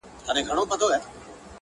زندان به نه وي بندیوان به نه وي!.